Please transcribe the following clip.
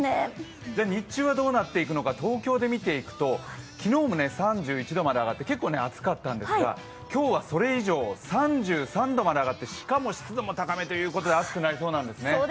日中はどうなっていくのか東京で見ていくと昨日も３１度まで上がって結構暑かったんですが今日はそれ以上、３３度まで上がってしかも湿度も高めということで暑くなりそうなんですね。